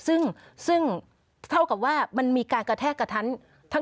ซึ่งซึ่งเท่ากับว่ามันมีการกระแทกกระทัน